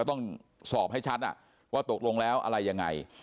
ต้องสอบให้ชัดว่าตกลงแล้วอะไรยังไง